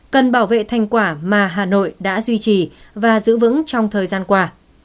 cần bảo vệ thành quả mà hà nội đã duy trì và giữ vững trong thời gian qua